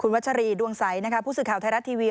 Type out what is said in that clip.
วัชรีดวงใสผู้สื่อข่าวไทยรัฐทีวี